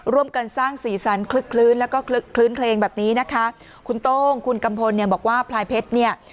ร่วมกันสร้างสีสันคลึกคลื้นแล้วก็คลึกคลื้นเคลงแบบนี้นะคะคุณโต้งคุณกัมพลเนี่ยบอกว่าพลายเพชรเนี่ย